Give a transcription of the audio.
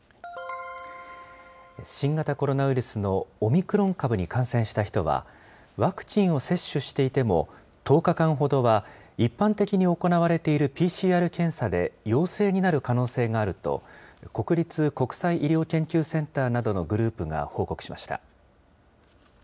新型コロナウイルスのオミクロン株に感染した人は、ワクチンを接種していても、１０日間ほどは、一般的に行われているＰＣＲ検査で陽性になる可能性があると、国立国際医療研究センターなどのグループが報告しました。